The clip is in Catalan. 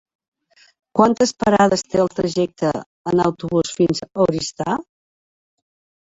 Quantes parades té el trajecte en autobús fins a Oristà?